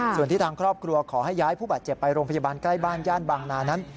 ส่วนที่ทางครอบครัวขอให้ย้ายผู้บาดเจ็บไปโรงพยาบาลใกล้บ้านย่านบางนานั้น